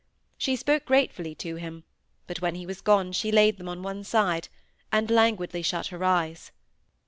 She spoke gratefully to him, but when he was gone she laid them on one side, and languidly shut her eyes.